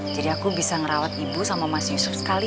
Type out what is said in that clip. jadi aku bisa ngerawat ibu sama mas yusuf sekali